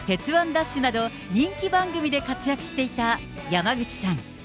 ＤＡＳＨ！！など、人気番組で活躍していた山口さん。